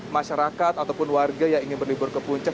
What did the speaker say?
masyarakat ataupun warga yang ingin berlibur ke puncak